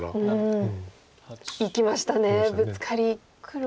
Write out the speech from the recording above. いきましたねブツカリ。